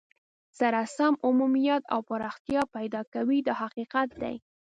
سره سم عمومیت او پراختیا پیدا کوي دا حقیقت دی.